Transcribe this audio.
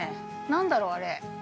何だろう、あれ。